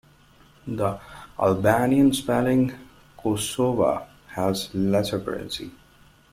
The Albanian spelling "Kosova" has lesser currency.